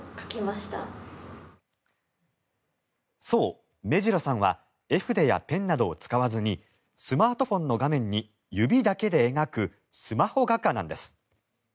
そう、萌白さんは絵筆やペンなどを使わずにスマートフォンの画面に指だけで描くスマホ画家なんです。